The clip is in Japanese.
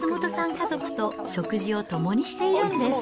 家族と食事を共にしているんです。